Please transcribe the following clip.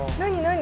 何？